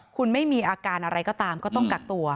คุณไม่มีอาการอะไรก็ตามก็ต้องกักตัว